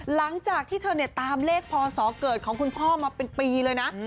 หลังจากที่เธอเนี่ยตามเลขพศเกิดของคุณพ่อมาเป็นปีเลยนะ